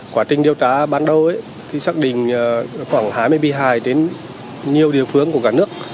quá trình điều tra ban đầu thì xác định khoảng hai mươi bị hại đến nhiều địa phương của cả nước